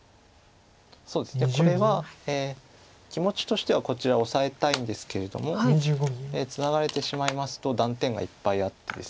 これは気持ちとしてはこちらオサえたいんですけれどもツナがれてしまいますと断点がいっぱいあってですね。